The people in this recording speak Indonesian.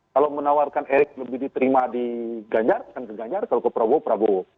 kalau menawarkan erick lebih diterima di ganjar kan ke ganjar kalau ke prabowo prabowo